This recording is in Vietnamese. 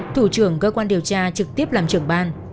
thủ trưởng cơ quan điều tra trực tiếp làm trưởng ban